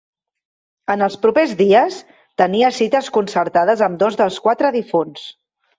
En els propers dies tenia cites concertades amb dos dels quatre difunts.